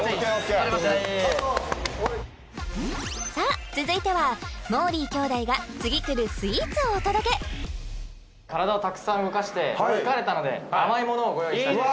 さあ続いてはもーりー兄弟が次くるスイーツをお届け体をたくさん動かして疲れたので甘いものをご用意しております